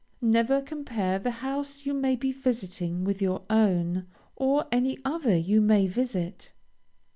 Never compare the house you may be visiting with your own, or any other you may visit.